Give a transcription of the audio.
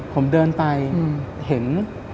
ผมเดินไปเห็น